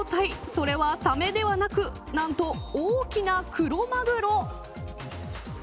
それはサメではなくなんと大きなクロマグロ。